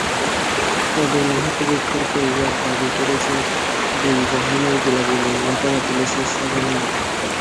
তবে নিহত ব্যক্তির পরিবার দাবি করেছে, দুই বাহিনীর গোলাগুলির ঘটনা পুলিশের সাজানো নাটক।